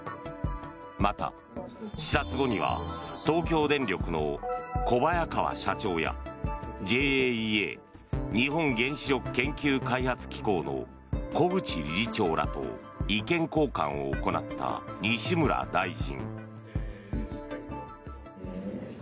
また、視察後には東京電力の小早川社長やＪＡＥＡ・日本原子力研究開発機構の小口理事長らと意見交換を行った西村大臣。